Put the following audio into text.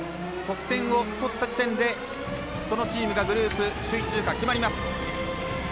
得点を取った時点でそのチームがグループ首位通過決まります。